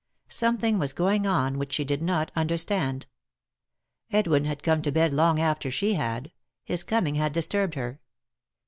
Something was going on which she did not understand. Edwin had come to bed long after she had ; his coming had disturbed her.